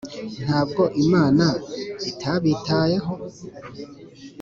ntabwo imana itabitayeho?